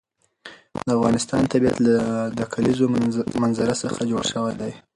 د افغانستان طبیعت له د کلیزو منظره څخه جوړ شوی دی.